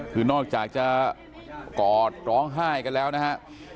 คือนอกจากจะกอดร้องไห้กันแล้วนะฮะ